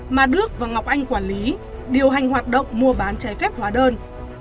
và đước và ngọc anh quản lý điều hành hoạt động mua bán trái phép hóa đơn